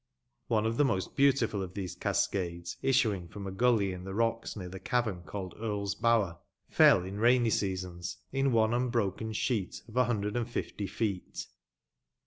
One of the most beautiful of these cascades, issuing from a gully in the rocks near the cavem ealled the Earl's Bower, feU, in rainy seasons, in one unbroken sheet of a hundred and fifty feet.